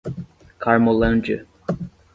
Carmolândia